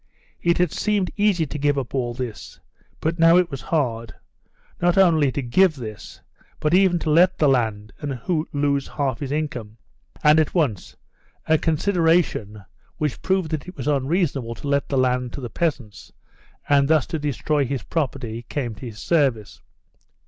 It had seemed easy to give up all this, but now it was hard, not only to give this, but even to let the land and lose half his income. And at once a consideration, which proved that it was unreasonable to let the land to the peasants, and thus to destroy his property, came to his service.